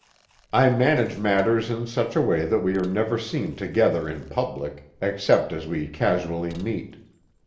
I manage matters in such a way that we are never seen together in public, except as we casually meet.